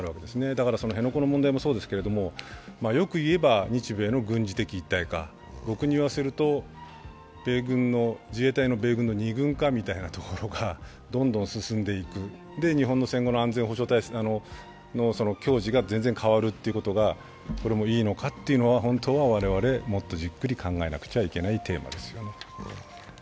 だから辺野古の問題もそうですけどよくいえば日米の軍事的一致化、僕に言わせると、自衛隊の、米軍の２軍化みたいなことがどんどん進んでいく、日本の戦後の安全保障の矜持が全然変わるということがこれもいいのかということを本当は我々もっとじっくり考えなくちゃいけないテーマです。